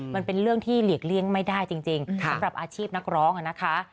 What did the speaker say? มันเป็นเรื่องที่หลีกเลี่ยงไม่ได้จริงสำหรับอาชีพนักร้องนะคะ